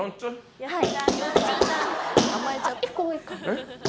はい。